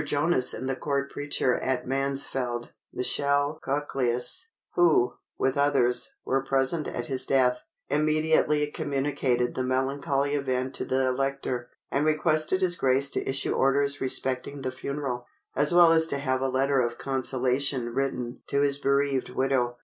Jonas and the court preacher at Mansfeld, Michel Coclius, who, with others, were present at his death, immediately communicated the melancholy event to the Elector, and requested his Grace to issue orders respecting the funeral, as well as to have a letter of consolation written to his bereaved widow.